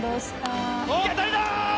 当たりだー！